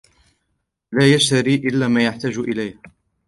لا يشتري إلا ما يحتاج إليه.